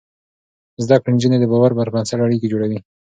زده کړې نجونې د باور پر بنسټ اړيکې جوړوي.